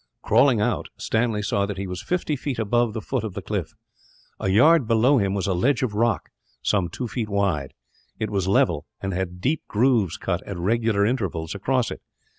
Crawling out, Stanley saw that he was fifty feet above the foot of the cliff. A yard below him was a ledge of rock, some two feet wide. It was level, and had deep grooves cut, at regular intervals, across it.